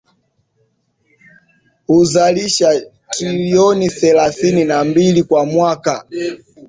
Huzalisha trilioni thelathini na mbili kwa mwaka